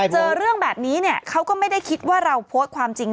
เจอเรื่องแบบนี้เขาก็ไม่ได้คิดว่าเราโพสต์ความจริง